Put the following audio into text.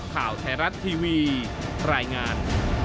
ข่าวไทยรัฐทีวีรายงาน